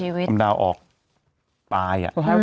ตามดาวออกตาย